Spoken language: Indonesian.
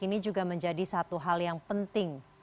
ini juga menjadi satu hal yang penting